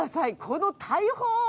この大砲！